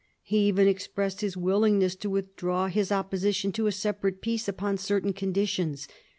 He even expressed his willingness to withdraw his op position to a separate peace upon certain conditions.